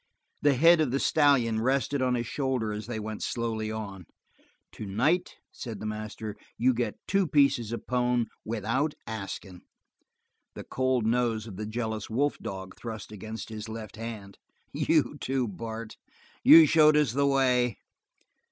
The head of the stallion rested on his shoulder as they went slowly on. "Tonight," said the master, "you get two pieces of pone without askin'." The cold nose of the jealous wolf dog thrust against his left hind. "You too, Bart. You showed us the way."